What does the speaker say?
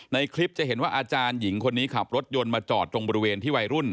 ในคลิปจะเห็นว่าอาจารย์หญิงคนนี้ขับรถยนต์มาจอดตรงบริเวณที่วัยรุ่น